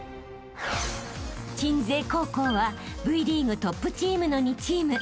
［鎮西高校はＶリーグトップチームの２チーム］